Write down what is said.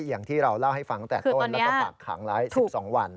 อย่างที่เราเล่าให้ฟังตั้งแต่ต้นแล้วก็ฝากขังไว้๑๒วัน